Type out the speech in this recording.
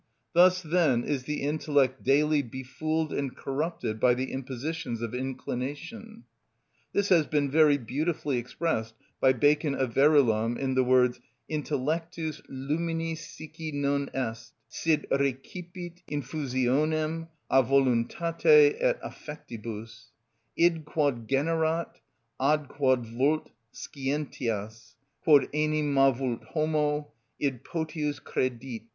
Thus then is the intellect daily befooled and corrupted by the impositions of inclination. This has been very beautifully expressed by Bacon of Verulam in the words: Intellectus LUMINIS SICCI _non est; sed recipit infusionem a voluntate et affectibus: id quod generat ad quod vult scientias: quod enim mavult homo, id potius credit.